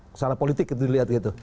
masalah politik itu dilihat gitu